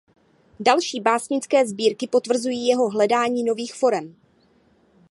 Další básnické sbírky potvrzují jeho hledání nových forem.